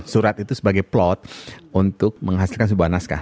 surat itu sebagai plot untuk menghasilkan sebuah naskah